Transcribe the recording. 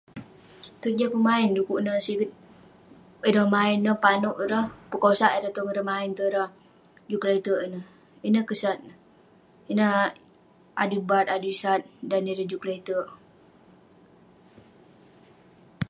Tong jah pemain dekuk neh siget ireh maen neh, panouk ireh, pekosak ireh tong ireh maen tong ireh juk kelete'erk ineh. Ineh kesat neh. Ineh adui bat adui sat dan ireh juk kelete'erk.